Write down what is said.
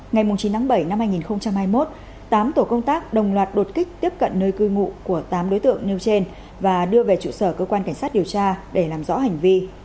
ngày chín tháng bảy năm hai nghìn hai mươi một tám tổ công tác đồng loạt đột kích tiếp cận nơi cư ngụ của tám đối tượng nêu trên và đưa về trụ sở cơ quan cảnh sát điều tra để làm rõ hành vi